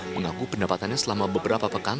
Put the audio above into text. mengaku pendapatannya selama beberapa pekan